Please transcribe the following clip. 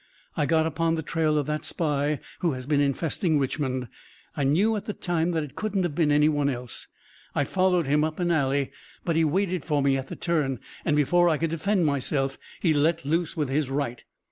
I got upon the trail of that spy who has been infesting Richmond. I knew at the time that it couldn't have been any one else. I followed him up an alley, but he waited for me at the turn, and before I could defend myself he let loose with his right.